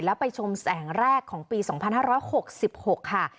แล้วไปชมแสงแรกของปี๒๕๖๖ค่ะ